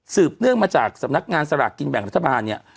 เนื่องมาจากสำนักงานสลากกินแบ่งรัฐบาลเนี่ย